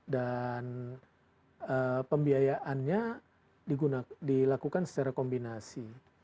dan pembiayaannya dilakukan secara kombinasi